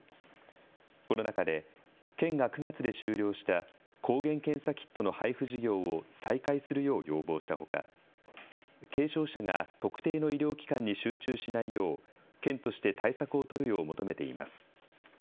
この中で県が９月で終了した抗原検査キットの配布事業を再開するよう要望したほか軽症者が特定の医療機関に集中しないよう県として対策を取るよう求めています。